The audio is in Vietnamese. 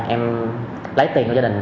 em lấy tiền cho gia đình